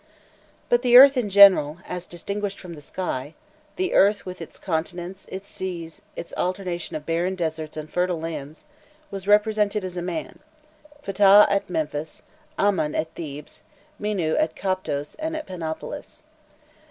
But the earth in general, as distinguished from the sky the earth with its continents, its seas, its alternation of barren deserts and fertile lands was represented as a man: Phtah at Memphis, Amon at Thebes, Mînû at Coptos and at Panopolis.